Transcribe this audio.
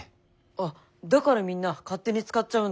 あっだからみんな勝手に使っちゃうんだよ。